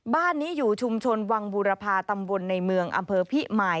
บ้านนี้อยู่ชุมชนวังบูรพาตำบลในเมืองอำเภอพิมาย